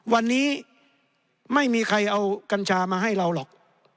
วันนี้ไม่มีใครเอากัญชามาให้เราหรอก